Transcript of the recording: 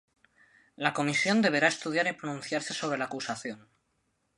La comisión deberá estudiar y pronunciarse sobre la acusación.